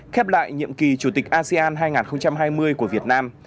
khép lại nhiệm kỳ chủ tịch asean hai nghìn hai mươi của việt nam